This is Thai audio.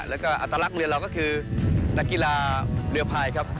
แล้วก็อัตลักษณ์เรือเราก็คือนักกีฬาเรือพายครับ